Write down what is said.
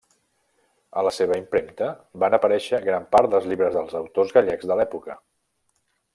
A la seva impremta van aparèixer gran part dels llibres dels autors gallecs de l'època.